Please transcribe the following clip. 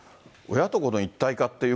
親と子の一体化っていう